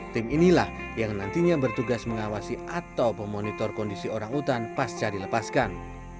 tim inilah yang nantinya bertugas mengawasi atau memonitor kondisi orang utan pasca dilepaskan